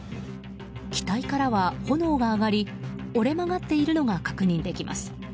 機体からは炎が上がり折れ曲がっているのが確認できます。